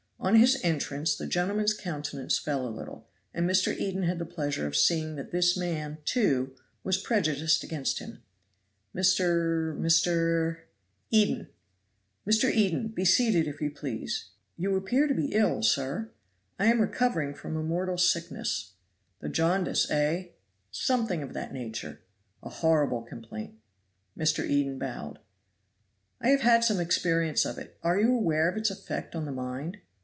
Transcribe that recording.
On his entrance the gentleman's countenance fell a little, and Mr. Eden had the pleasure of seeing that this man, too, was prejudiced against him. "Mr. Mr. ?" "Eden." "Mr. Eden, be seated, if you please. You appear to be ill, sir?" "I am recovering from a mortal sickness." "The jaundice, eh?" "Something of that nature." "A horrible complaint." Mr. Eden bowed. "I have had some experience of it. Are you aware of its effect on the mind?"